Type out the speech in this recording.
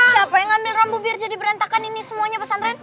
siapa yang ngambil rambu biar jadi berantakan ini semuanya pesantren